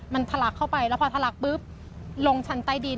มันทะลักเข้าไปแล้วพอทะลักปุ๊บลงชั้นใต้ดิน